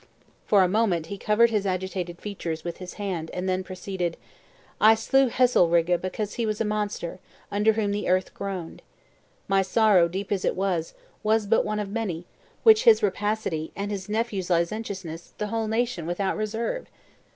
For a moment he covered his agitated features with his hand, and then proceeded: "I slew Heselrigge because he was a monster, under whom the earth groaned. My sorrow, deep as it was was but one of many, which his rapacity, and his nephew's licentiousness, the whole nation without reserve!